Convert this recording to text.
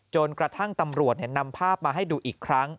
จนกระทั่งตำรวจนำภาพมาให้ดูอีกครั้ง